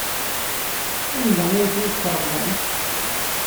Anda ay tent-id-tṛebbamt?